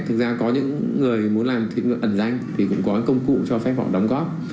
thực ra có những người muốn làm thịnh nguyện ẩn danh thì cũng có những công cụ cho phép họ đóng góp